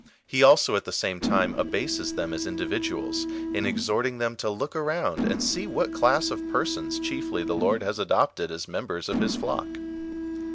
He also at the same time abases them as indi viduals, in exhorting them to look around and see what class of persons chiefly the Lord has adopted as members of his flock.